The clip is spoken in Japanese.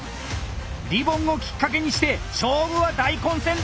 リボンをきっかけにして勝負は大混戦だ！